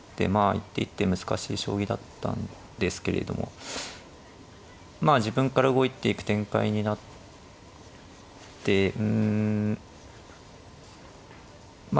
一手一手難しい将棋だったんですけれどもまあ自分から動いていく展開になってうんまあ